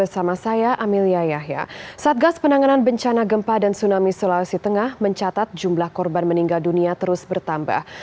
satgas penanganan bencana gempa dan tsunami sulawesi tengah mencatat jumlah korban meninggal dunia terus bertambah